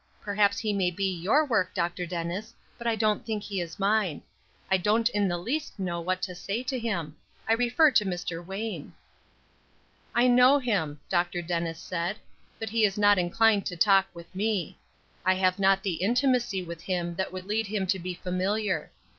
Perhaps he may be your work, Dr. Dennis, but I don't think he is mine. I don't in the least know what to say to him. I refer to Mr. Wayne." "I know him," Dr. Dennis said, "but he is not inclined to talk with me. I have not the intimacy with him that would lead him to be familiar.